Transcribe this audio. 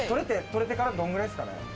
取れてからどんくらいですかね？